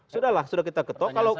sudahlah sudah kita ketok